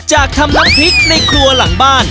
ทำน้ำพริกในครัวหลังบ้าน